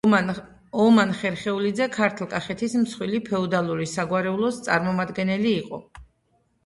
ომან ხერხეულიძე ქართლ-კახეთის მსხვილი ფეოდალური საგვარეულოს წარმომადგენელი იყო.